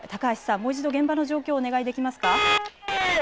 もう一度、現場の状況をお願いできますか。